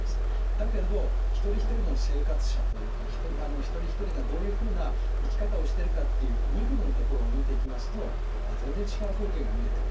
だけれど一人ひとりの生活者というか一人ひとりがどういうふうな生き方をしてるかっていうミクロなところを見ていきますと全然違う風景が見えてくる。